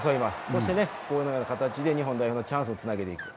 そして、このような形で日本代表がチャンスをつなげていく。